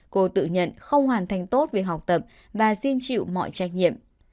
cô tự nhận không hoàn thành tốt việc học tập và xin chịu mọi trách nhiệm